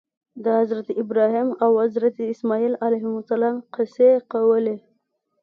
د حضرت ابراهیم او حضرت اسماعیل علیهم السلام قصې کولې.